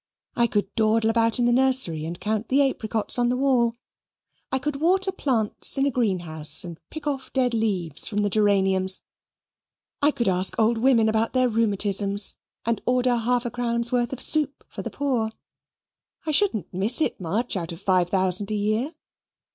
I could dawdle about in the nursery and count the apricots on the wall. I could water plants in a green house and pick off dead leaves from the geraniums. I could ask old women about their rheumatisms and order half a crown's worth of soup for the poor. I shouldn't miss it much, out of five thousand a year.